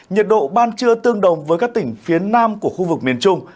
nhiệt độ ban trưa tương đồng với các tỉnh phía nam của khu vực miền trung